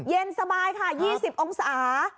เย็นสบายค่ะ๒๐องศา